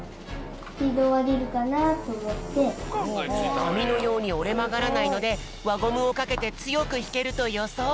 かみのようにおれまがらないのでわゴムをかけてつよくひけるとよそう。